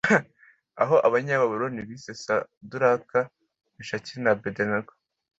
abo Abanyababuloni bise Saduraka Meshaki na Abedenego